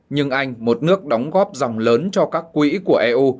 nhưng anh một nước đóng góp dòng lớn cho các quỹ của eu